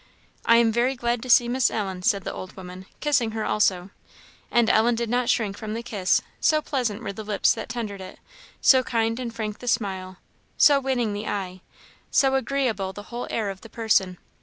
"I am very glad to see Miss Ellen," said the old woman, kissing her also; and Ellen did not shrink from the kiss, so pleasant were the lips that tendered it; so kind and frank the smile, so winning the eye; so agreeable the whole air of the person.